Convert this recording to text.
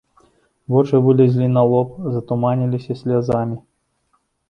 Вочы вылезлі на лоб, затуманіліся слязамі.